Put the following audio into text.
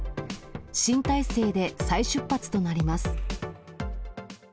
新体制で再出発となります。